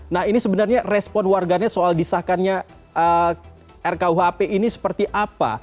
nah ini sebenarnya respon warganet soal disahkannya rkuhp ini seperti apa